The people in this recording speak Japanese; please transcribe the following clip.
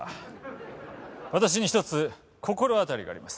私に一つ心当たりがあります。